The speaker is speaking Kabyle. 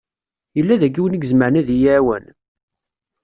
Yella daki win i izemren ad yi-d-iɛawen?